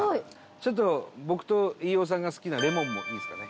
ちょっと僕と飯尾さんが好きなレモンもいいですかね？